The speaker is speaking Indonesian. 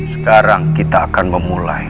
sekarang kita akan memulai